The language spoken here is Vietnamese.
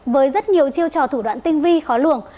với rất nhiều chiêu trò thủ đoạn tinh vi khó lường